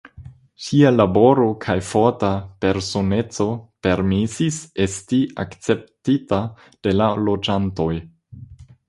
Ŝia laboro kaj forta personeco permesis esti akceptita de la loĝantoj.